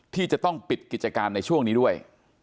ที่จะต้องปิดกิจการในช่วงนี้ด้วย